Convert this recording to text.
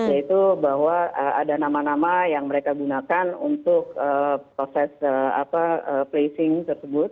yaitu bahwa ada nama nama yang mereka gunakan untuk proses placing tersebut